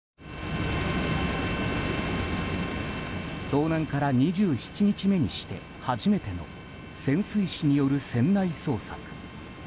遭難から２７日目にして初めての潜水士による船内捜索。